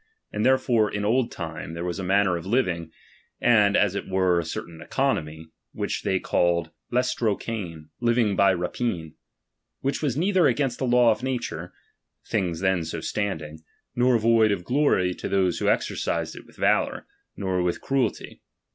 And therefore in old time, there was a manner of living, and as it were a certain economy, which they called XiiaTptKijv, living by rai)ine ; which was neither against the law of nature {thhigs then so standing), nor void of glory to those who exercised it with valour, not with cruelty.